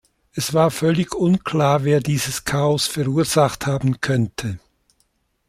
Es war völlig unklar, wer dieses Chaos verursacht haben könnte.